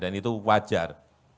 dan itu wajar